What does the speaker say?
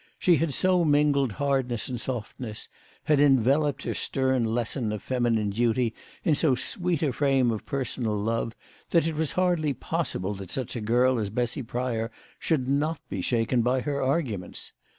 She had so mingled hardness and softness, had enveloped her stern lesson of feminine duty in so sweet a frame of personal love, that it was hardly pos sible that such a girl as Bessy Pry or should not be shaken by her arguments.